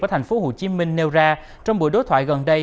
ở thành phố hồ chí minh nêu ra trong buổi đối thoại gần đây